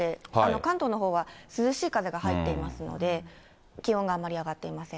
関東のほうは涼しい風が入っていますので、気温があまり上がっていません。